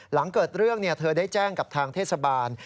หลังเกิดเรื่องเธอได้แจ้งกับทางเทศบาล